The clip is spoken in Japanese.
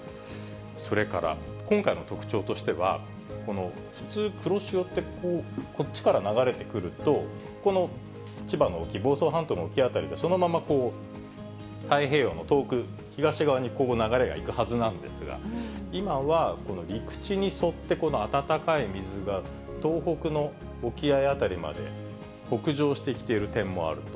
それから今回の特徴としては、この普通、黒潮ってこっちから流れてくると、この千葉の沖、房総半島の沖辺りで、そのままこう太平洋の遠く東側にこう流れが行くはずなんですが、今はこの陸地に沿って、この暖かい水が東北の沖合辺りまで北上してきている点もあると。